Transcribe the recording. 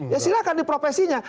ya silahkan di profesinya